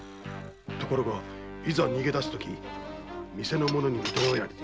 ところがいざ逃げ出すとき店の者に見咎められて。